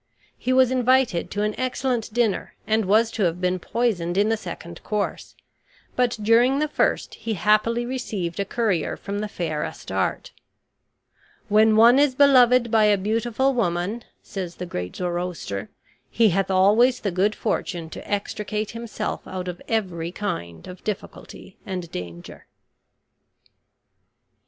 He was invited to an excellent dinner and was to have been poisoned in the second course, but, during the first, he happily received a courier from the fair Astarte. "When one is beloved by a beautiful woman," says the great Zoroaster, "he hath always the good fortune to extricate himself out of every kind of difficulty and danger."